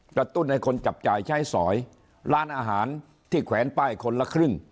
ตุ้นให้คนจับจ่ายใช้สอยร้านอาหารที่แขวนป้ายคนละครึ่ง